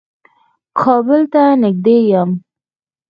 کابل ته نېږدې يم.